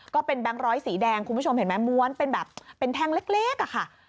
แบงค์ร้อยสีแดงคุณผู้ชมเห็นไหมม้วนเป็นแบบเป็นแท่งเล็กอะค่ะ